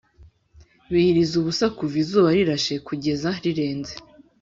biyiriza ubusa kuva izuba rirashe kugeza rirenze.